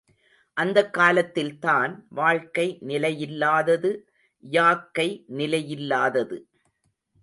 அந்தக் காலத்தில்தான் வாழ்க்கை நிலையில்லாதது யாக்கை நிலையில்லாதது.